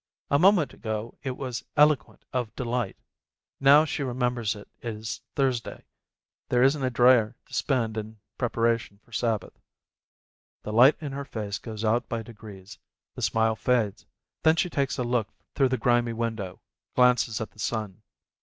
A moment ago it was eloquent of delight. Now she remembers it is Thurs day, there isn't a dreier to spend in preparation for Sabbath. The light in her face goes out by degrees, the smile fades, then she takes a look through the grimy window, glances at the sun.